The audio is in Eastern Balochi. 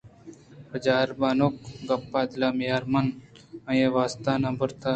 بچار بانک !گپاں دلءَمیار من آئی ءِ واستہ نہ برتگ